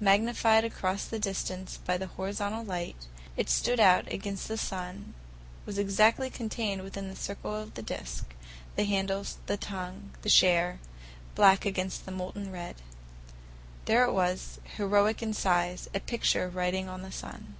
Magnified across the distance by the horizontal light, it stood out against the sun, was exactly contained within the circle of the disc; the handles, the tongue, the share—black against the molten red. There it was, heroic in size, a picture writing on the sun.